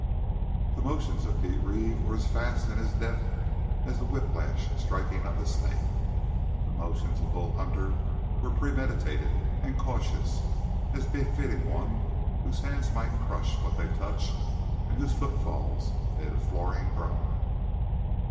The motions of Pete Reeve were as fast and as deft as the whiplash striking of a snake. The motions of Bull Hunter were premeditated and cautious, as befitting one whose hands might crush what they touched, and whose footfall made a flooring groan.